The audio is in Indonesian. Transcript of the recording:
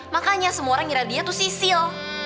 makanya semua orang ngira dia tuh sisil